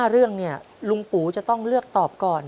๕เรื่องเนี่ยลุงปู่จะต้องเลือกตอบก่อน